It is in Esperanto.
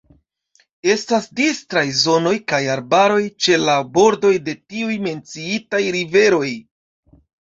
Estas distraj zonoj kaj arbaroj ĉe la bordoj de tiuj menciitaj riveroj.